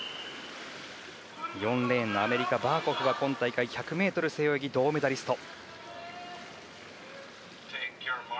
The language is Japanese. ４レーンのアメリカ、バーコフは今大会１００ｍ背泳ぎの銅メダリスト。